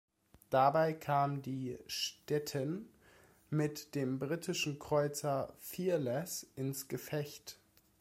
Dabei kam die "Stettin" mit dem britischen Kreuzer "Fearless" ins Gefecht.